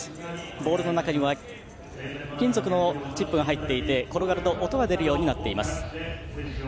ボールの中には金属のチップが入っていて転がると音が出るようになっています。